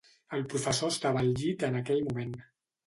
El professor estava al llit en aquell moment.